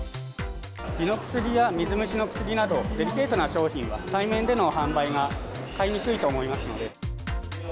じの薬や水虫の薬など、デリケートな商品は、対面での販売が買いにくいと思いますので。